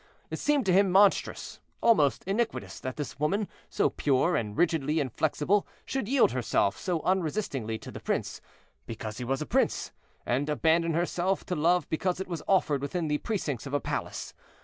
It seemed to him monstrous, almost iniquitous, that this woman, so pure and rigidly inflexible, should yield herself so unresistingly to the prince, because he was a prince, and abandon herself to love because it was offered within the precincts of a palace.